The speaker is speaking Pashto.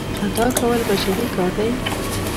خطا کول بشري کار دی.